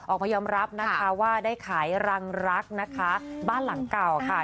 ออกมายอมรับนะคะว่าได้ขายรังรักนะคะบ้านหลังเก่าค่ะ